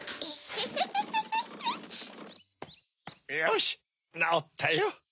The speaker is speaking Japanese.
よしなおったよ。